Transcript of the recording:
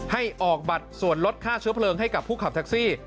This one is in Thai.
ให้ออกบัตรส่วนลดค่าเชื้อเพลิงให้กับผู้ขับแท็กซี่